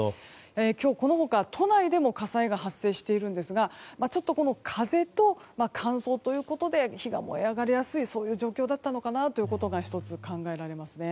今日、この他都内でも火災が発生していますが風と乾燥ということで火が燃え上がりやすい状況だったのかなということが１つ考えられますね。